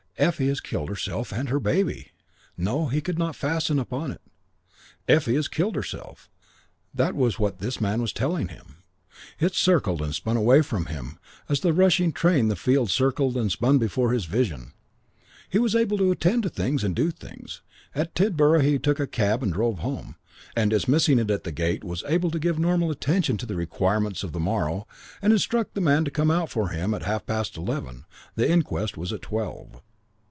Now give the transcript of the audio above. Effie has killed herself and her baby." No, he could not fasten upon it. "Effie has killed herself." That was what this man was telling him. It circled and spun away from him as from the rushing train the fields circled and spun before his vision. He was able to attend to things and to do things. At Tidborough he took a cab and drove home, and dismissing it at the gate was able to give normal attention to the requirements of the morrow and instruct the man to come out for him at half past eleven; the inquest was at twelve.